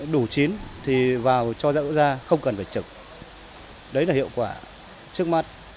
đủ chín thì vào cho rau không cần phải trực đấy là hiệu quả trước mắt